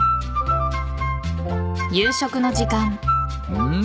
うん。